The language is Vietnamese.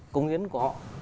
cống hiến của họ